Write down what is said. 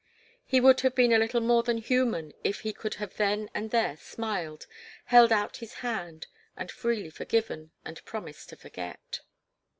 He would have been a little more than human if he could have then and there smiled, held out his hand, and freely forgiven and promised to forget.